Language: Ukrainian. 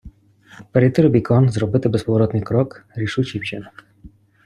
Перейти Рубікон зробити безповоротний крок, рішучий вчинок.